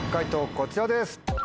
こちらです。